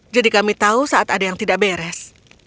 jadi kami tahu saat ada yang tidak beres